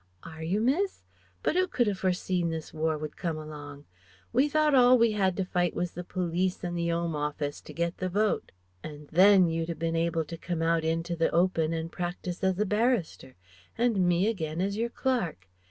"Are you, miss? But 'oo could 'a foreseen this war would come along! We thought all we 'ad to fight was the Police and the 'Ome Office to get the Vote. And then, you'd 'a bin able to come out into the open and practise as a barrister and me, again, as your clerk.